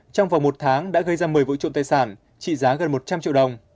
trong vòng một tháng đã gây ra một mươi vụ trộm tài sản trị giá gần một trăm linh triệu đồng